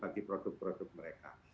bagi produk produk mereka